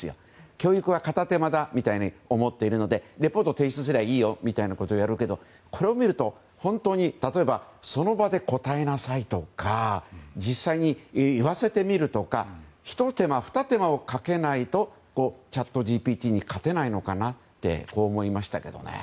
教育は片手間だみたいに思っているのでレポートを提出したらいいよみたいなことをやるけどこれを見ると例えばその場で答えなさいとか実際に言わせてみるとかひと手間、ふた手間をかけないとチャットＧＰＴに勝てないのかなと思いましたね。